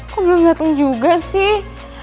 kok belum datang juga sih